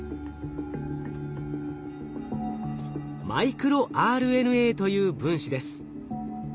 マイクロＲＮＡという分子です。